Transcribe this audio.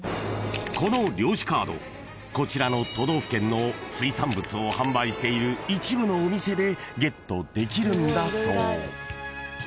［この漁師カードこちらの都道府県の水産物を販売している一部のお店でゲットできるんだそう］